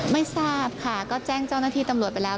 ไม่ทราบค่ะก็แจ้งเจ้าหน้าที่ตำรวจไปแล้ว